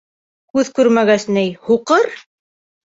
Күҙ күрмәгәс ней, һуҡыр.